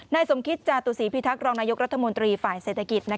สมคิตจาตุศีพิทักษ์รองนายกรัฐมนตรีฝ่ายเศรษฐกิจ